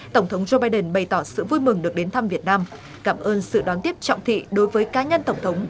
tổng thống joe biden bày tỏ sự vui mừng được đến thăm việt nam cảm ơn sự đón tiếp trọng thị đối với cá nhân tổng thống